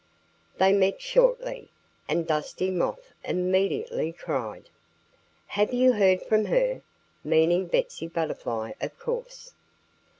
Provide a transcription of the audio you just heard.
They met shortly. And Dusty Moth immediately cried: "Have you heard from her?" meaning Betsy Butterfly, of course.